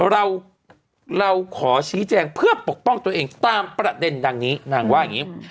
เราเราขอชี้แจงเพื่อปกป้องตัวเองตามประเด็นดังนี้นางว่าอย่างนี้